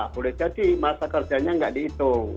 boleh jadi masa kerjanya nggak dihitung